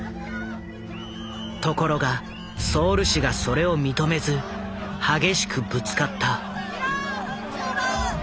ところがソウル市がそれを認めず激しくぶつかった。